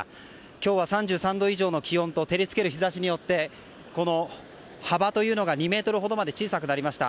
今日は３３度以上の気温と照りつける日差しによってこの幅というのが２ｍほどまで小さくなりました。